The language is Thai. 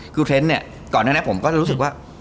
คือเท้นต์เนี่ยก่อนหน้านี้ผมก็รู้สึกว่า